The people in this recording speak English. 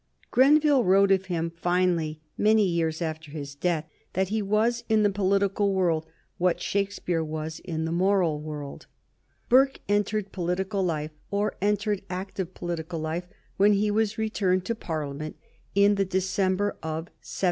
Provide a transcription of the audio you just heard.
Grenville wrote of him finely, many years after his death, that he was in the political world what Shakespeare was in the moral world. [Sidenote: 1729 59 Burke's early life] Burke entered political life, or entered active political life, when he was returned to Parliament in the December of 1765.